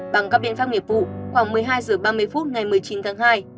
bằng các biện pháp nghiệp vụ khoảng một mươi hai h ba mươi phút ngày một mươi chín tháng hai